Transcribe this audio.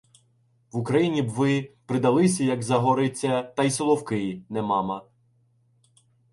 І Україні б ви придалися, як загориться, та й Соловки — не мама.